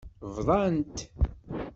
Bḍant.